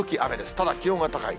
ただ、気温は高い。